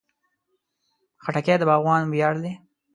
خټکی د باغوان ویاړ دی.